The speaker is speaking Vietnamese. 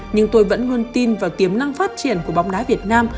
nhưng tôi vẫn luôn tin vào tiềm năng phát triển của bóng đá việt nam